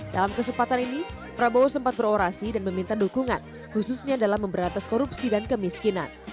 dalam kesempatan ini prabowo sempat berorasi dan meminta dukungan khususnya dalam memberatas korupsi dan kemiskinan